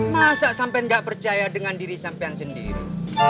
masa sampean gak percaya dengan diri sampean sendiri